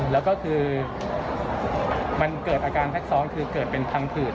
แล้วก็คือมันเกิดอาการแท็กซ้อนคือเกิดเป็นทางผืด